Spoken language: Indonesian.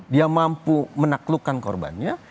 dia mampu menaklukkan korbannya